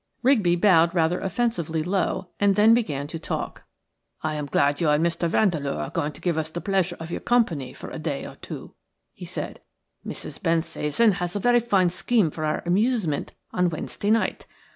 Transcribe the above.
Rigby bowed rather offensively low, and then began to talk. "I am glad you and Mr. Vandeleur are going to give us the pleasure of your company for a day or two," he said. "Mrs. Bensasan has a very fine scheme for our amusement on Wednesday night.